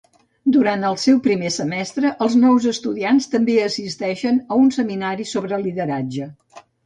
Durant el seu primer semestre, els nous estudiants també assisteixen a un seminari sobre lideratge.